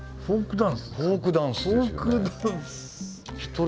フォークダンス。